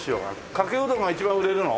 かけうどんが一番売れるの？